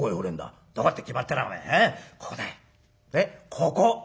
「ここ！」。